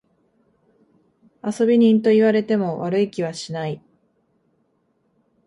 遊び人と言われても悪い気はしない。